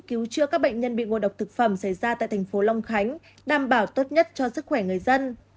cứu chữa các bệnh nhân bị ngộ độc thực phẩm xảy ra tại thành phố long khánh đảm bảo tốt nhất cho sức khỏe người dân